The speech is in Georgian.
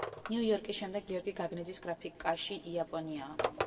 ნიუ-იორკის შემდეგ, გიორგი გაგნიძის გრაფიკში იაპონიაა.